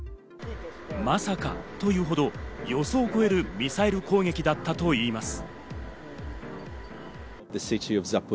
まさかというほど予想を超えるミサイル攻撃だったといいます。